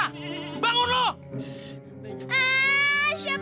enggak supan banget sih kurang ajar